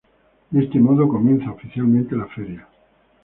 De este modo comienza oficialmente la Feria.